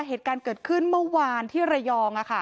เหตุการณ์เกิดขึ้นเมื่อวานที่ระยอง